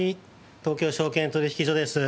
東京証券取引所です」